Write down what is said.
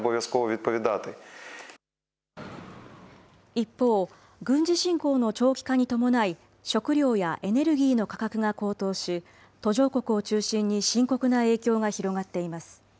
一方、軍事侵攻の長期化に伴い、食料やエネルギーの価格が高騰し、途上国を中心に深刻な影響が広がっています。